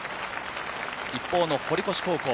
一方の堀越高校。